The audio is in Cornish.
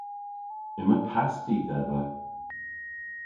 Yma pasti dhedha.